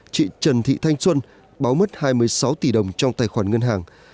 chị trần thị thanh xuân báo mất hai mươi sáu tỷ đồng trong tài khoản ngân hàng